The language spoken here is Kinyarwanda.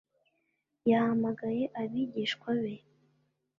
yahamagaye abigishwa be